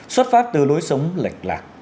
xuất phát từ lối sống lệch lạc